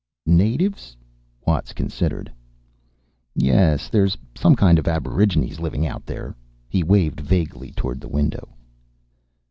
"Natives?" Watts considered. "Yes, there's some kind of aborigines living out there." He waved vaguely toward the window.